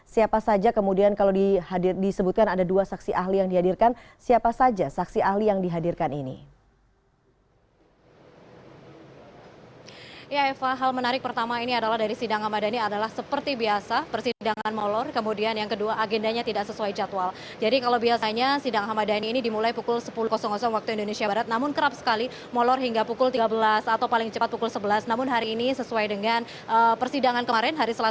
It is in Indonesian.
siapa saja kalau disebutkan ada dua saksi ahli yang dihadirkan siapa saja saksi ahli yang dihadirkan ini